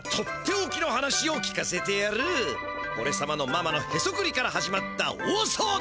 おれさまのママのへそくりから始まった大そう動！